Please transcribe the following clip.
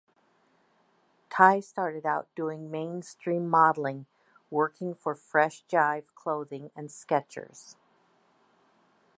Tai started out doing mainstream modeling, working for Fresh Jive clothing and Skechers.